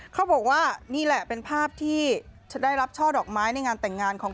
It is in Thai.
เขาบอกว่านี่แหละเป็นภาพที่จะได้รับช่อดอกไม้ในงานแต่งงานของ